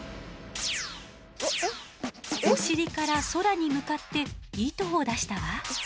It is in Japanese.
お尻から空に向かって糸を出したわ！